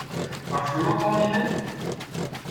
Ɣef lutu-inem?